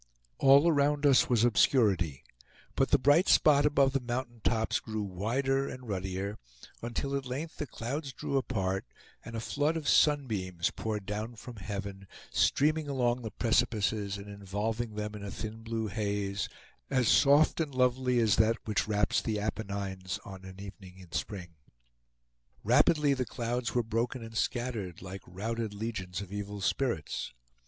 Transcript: All around us was obscurity; but the bright spot above the mountaintops grew wider and ruddier, until at length the clouds drew apart, and a flood of sunbeams poured down from heaven, streaming along the precipices, and involving them in a thin blue haze, as soft and lovely as that which wraps the Apennines on an evening in spring. Rapidly the clouds were broken and scattered, like routed legions of evil spirits.